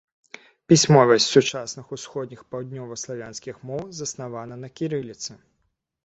Пісьмовасць сучасных усходніх паўднёваславянскіх моў заснавана на кірыліцы.